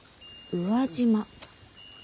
宇和島。